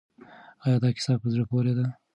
آیا دا کیسه په زړه پورې ده؟